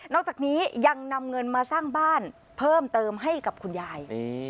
จากนี้ยังนำเงินมาสร้างบ้านเพิ่มเติมให้กับคุณยาย